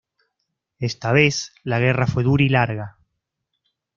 Esta vez la guerra fue dura y larga.